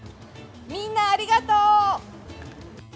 みんなありがとう！